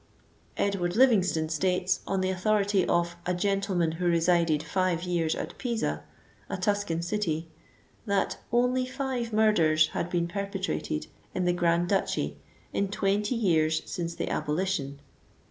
Edward Livingston states, on the authority of "a gentleman who resided five years at Pisa,'!* a Tuscan city, that " only Awe murders had been perpetrated" in the Grand Duchy 743546A 100 *MD twenty years since the abolition."